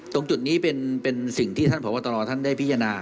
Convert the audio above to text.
ตรงจุดนี้เป็นสิ่งที่ท่านพบตรท่านได้พิจารณา